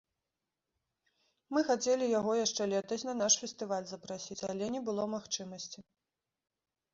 Мы хацелі яго яшчэ летась на наш фестываль запрасіць, але не было магчымасці.